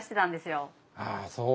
ああそう。